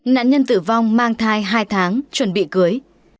nạn nhân tử vong mang thai hai tháng chuẩn bị cưới